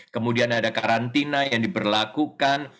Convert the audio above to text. kemudian ada karantina yang diberlakukan